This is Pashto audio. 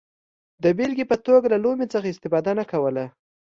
د بېلګې په توګه له لومې څخه استفاده نه کوله.